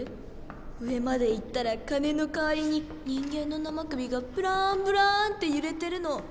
上まで行ったら鐘の代わりに人間の生首がブラーンブラーンって揺れてるの。